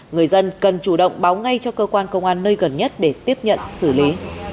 người dân cần chủ động báo ngay cho cơ quan công an nơi gần nhất để tiếp nhận xử lý